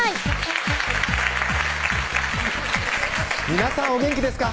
皆さんお元気ですか？